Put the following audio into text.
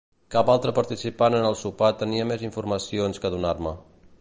Cap altre participant en el sopar tenia més informacions que donar-me.